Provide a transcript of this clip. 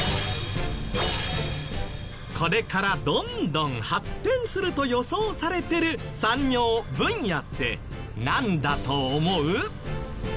これからどんどん発展すると予想されてる産業・分野ってなんだと思う？